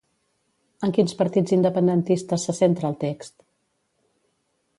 En quins partits independentistes se centra el text?